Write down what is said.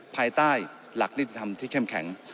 ภายใต้หลักนิติธรรมที่เข้มแข็ง